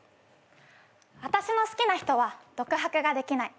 私の好きな人は独白ができない。